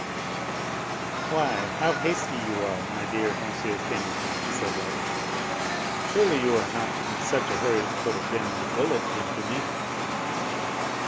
"Why, how hasty you are, my dear M. Chambertin," he said lightly. "Surely you are not in such a hurry to put a demmed bullet into me!"